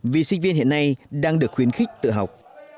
vì sinh viên hiện nay đang được khuyến khích tự học